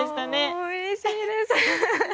もう嬉しいです。